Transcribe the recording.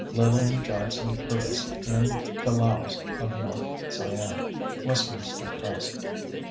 (Lillian Johnson Curtis in "The Laos of North Siam," Westminster Press.)